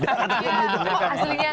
iya oh aslinya